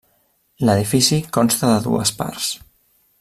L'edifici consta de dues parts.